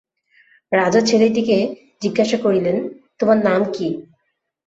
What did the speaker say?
রাজা ছেলেটিকে জিজ্ঞাসা করিলেন, তোমার নাম কী?